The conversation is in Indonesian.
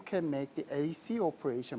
cara kita membuat operasi ac